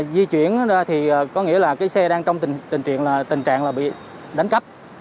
di chuyển ra thì có nghĩa là cái xe đang trong tình trạng là tình trạng là bị đánh cắp